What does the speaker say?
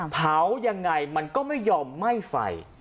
เผายังไงมันก็ไม่ยอมไหม้ไฟ